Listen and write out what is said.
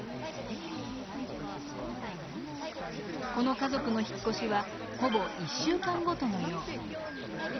この家族の引っ越しはほぼ１週間ごとのよう。